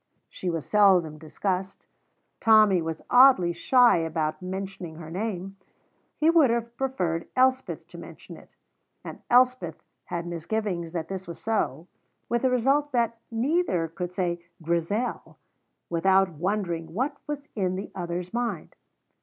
She was seldom discussed. Tommy was oddly shy about mentioning her name; he would have preferred Elspeth to mention it: and Elspeth had misgivings that this was so, with the result that neither could say "Grizel" without wondering what was in the other's mind.